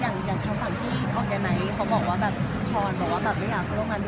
อย่างกันทางที่ออร์แกนัยเขาบอกว่าไม่อยากโทรมาลด้วย